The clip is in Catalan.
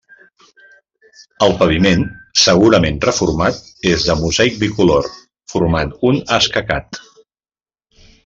El paviment, segurament reformat, és de mosaic bicolor formant un escacat.